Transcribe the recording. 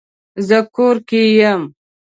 زه کور کې یم